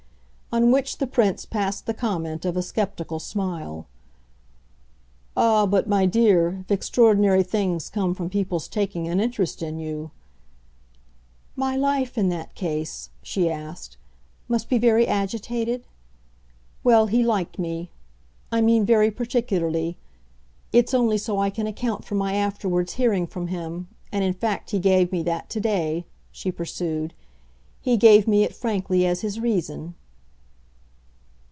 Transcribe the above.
On which the Prince passed the comment of a sceptical smile. "Ah but, my dear, if extraordinary things come from people's taking an interest in you " "My life in that case," she asked, "must be very agitated? Well, he liked me, I mean very particularly. It's only so I can account for my afterwards hearing from him and in fact he gave me that to day," she pursued, "he gave me it frankly as his reason."